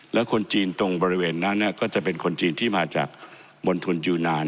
แล้วคนจีนตรงบริเวณนั้นก็จะเป็นคนจีนที่มาจากมณฑลยูนาน